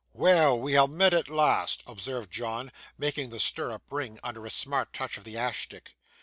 'Weel; we ha' met at last,' observed John, making the stirrup ring under a smart touch of the ash stick.